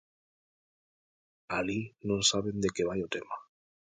Alí non saben de que vai o tema.